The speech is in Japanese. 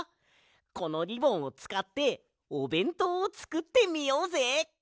このリボンをつかっておべんとうをつくってみようぜ！